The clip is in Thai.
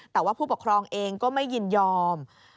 แต่ว่าผู้ปกครองเองก็ไม่ยินยอม